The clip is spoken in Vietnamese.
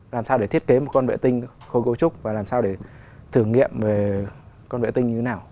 làm sao để thiết kế một con vệ tinh khôi cấu trúc và làm sao để thử nghiệm về con vệ tinh như thế nào